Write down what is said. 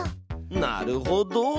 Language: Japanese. なるほど！